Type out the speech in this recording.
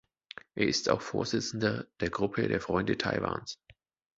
Er ist auch Vorsitzender der Gruppe der Freunde Taiwans.